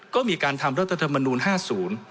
ก็มีการทำรัฐธรรมนูล๕๐